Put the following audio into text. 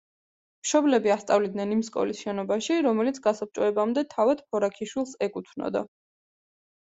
მშობლები ასწავლიდნენ იმ სკოლის შენობაში, რომელიც გასაბჭოებამდე თავად ფორაქიშვილის ეკუთვნოდა.